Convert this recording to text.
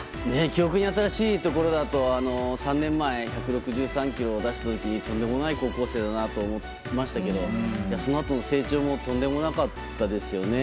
記憶に新しいところだと３年前、１６３キロを出した時にとんでもない高校生だなと思いましたけどそのあとの成長もとんでもなかったですよね。